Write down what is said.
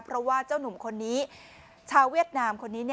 เพราะว่าเจ้านุ่มคนนี้ชาวเวียดนามคนนี้